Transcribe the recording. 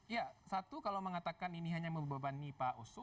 ya satu kalau mengatakan ini hanya membebani pak oso